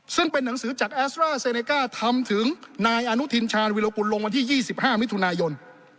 ซึ่งเป็นหนังสือจากแอสตราเซเนก้าทำถึงนายอนุทินชาญวิรกุลลงวันที่๒๕มิถุนายน